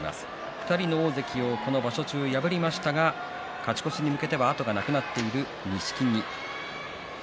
２人の大関はこの場所中を破りましたが勝ち越しに向けて後がなくなっている錦木。